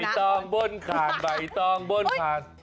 ใบตองบนคานใบตองบนคาน